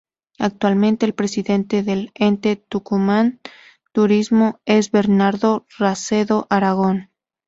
Actualmente el Presidente del Ente Tucumán Turismo es Bernardo Racedo Aragón.